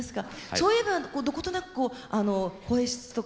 そういえばどことなく声質とか。